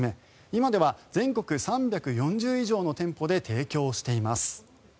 今では全国３４０以上の店舗で提供しています。